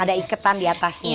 yang ada iketan diatasnya